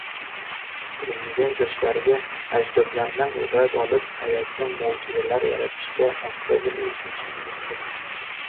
Prezident yoshlarga: Ajdodlardan ibrat olib, hayotda mo‘’jizalar yaratishga astoydil intilishingiz kerak